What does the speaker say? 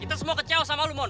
kita semua kecewa sama lo mon